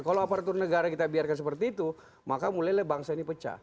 kalau apa atur negara kita biarkan seperti itu maka mulai bangsa ini pecah